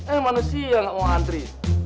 eh manusia gak mau antri